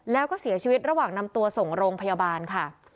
แล้วก็เสียชีวิตระหว่างนำตัวส่งโรงพยาบาลค่ะ